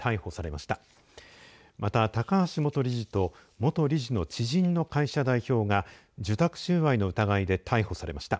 また、高橋元理事と元理事の知人の会社代表が受託収賄の疑いで逮捕されました。